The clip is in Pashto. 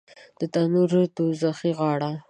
د تنور دوږخي غاړه